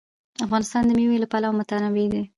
افغانستان د مېوې له پلوه متنوع دی.